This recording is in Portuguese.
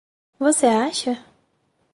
Você acha?